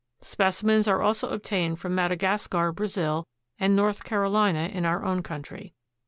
Specimens are also obtained from Madagascar, Brazil, and North Carolina in our own country.